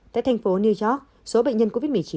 tại thành phố new york số bệnh nhân covid một mươi chín